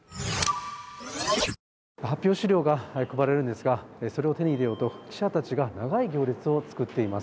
発表資料が配られるんですがそれを手に入れようと、記者たちが長い行列を作っています。